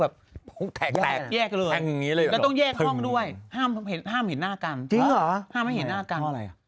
แบบเยี่ยงแบบนี้เลยต้องแยกห้องด้วยห้ามเห็นหน้ากัน